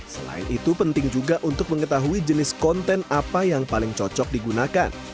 selain itu penting juga untuk mengetahui jenis konten apa yang paling cocok digunakan